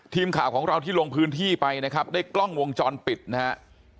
ทีมข่าวของเราที่ลงพื้นที่ไปนะครับได้กล้องวงจรปิดนะฮะ